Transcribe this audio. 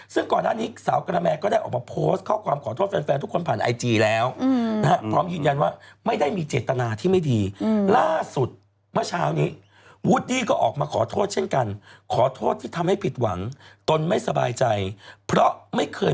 ซึ่งก่อนหน้านี้สาวกรแมกก็ได้ออกมาโพสต์